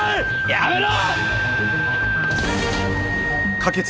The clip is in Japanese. やめろ！